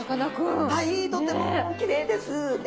はいとってもきれいですね！